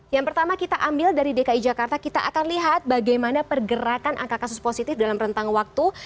yang pertama kita ambil dari dki jakarta kita akan lihat bagaimana pergerakan angka kasus positif dalam rentang waktu